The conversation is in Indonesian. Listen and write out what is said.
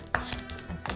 terima kasih pak